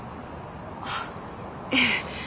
あっええ。